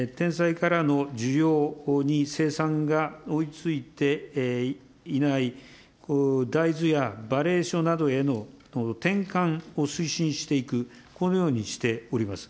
総合経済対策において、てん菜からの需要に生産が追いついていない、大豆やばれいしょなどへの転換を推進していく、このようにしております。